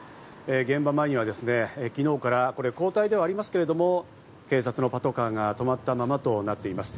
現場前にはですね、昨日から交代ではありますけれども、警察のパトカーが止まったままとなっています。